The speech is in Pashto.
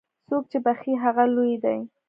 څوک چې بخښي، هغه لوی دی.